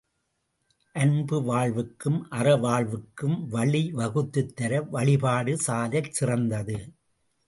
அன்பு வாழ்வுக்கும் அறவாழ்வுக்கும் வழி வகுத்துத் தர வழிபாடு சாலச் சிறந்தது.